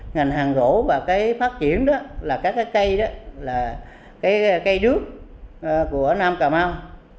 ngành hàng rổ và cái phát triển đó là các cái cây đó là cái cây đước của nam cà mau